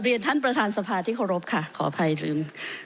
เรียนท่านประธานสภาที่เคารพค่ะขออภัยลืม